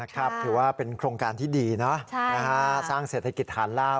ถือว่าเป็นโครงการที่ดีสร้างเศรษฐกิจฐานลาบ